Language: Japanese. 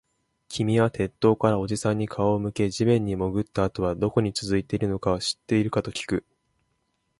君は鉄塔からおじさんに顔を向け、地面に潜ったあとはどこに続いているのか知っているかときく